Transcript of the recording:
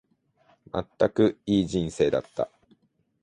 まったく、いい人生だった。